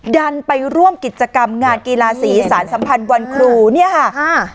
ดันไปร่วมกิจกรรมงานกีฬาสีสารสัมพันธ์วันครูเนี่ยค่ะอ่า